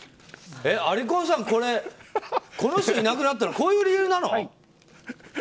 ありこんさん、これこの人いなくなったのこういう理由なの？